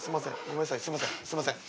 すいません。